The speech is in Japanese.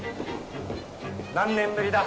何年ぶりだ？